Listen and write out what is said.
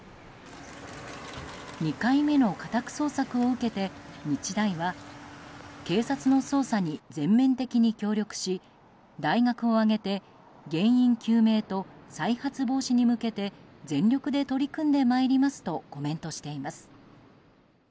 ２回目の家宅捜索を受けて日大は警察の捜査に全面的に協力し大学を挙げて原因究明と再発防止に向けて全力で取り組んでまいりますとコメントしています。